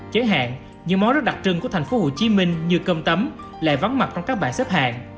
chế hạn những món rất đặc trưng của thành phố hồ chí minh như cơm tấm lại vắng mặt trong các bài xếp hàng